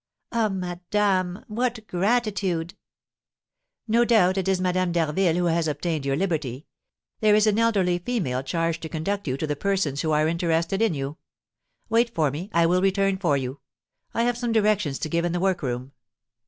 "Ah, madame, what gratitude!" "No doubt it is Madame d'Harville who has obtained your liberty. There is an elderly female charged to conduct you to the persons who are interested in you. Wait for me, I will return for you; I have some directions to give in the work room."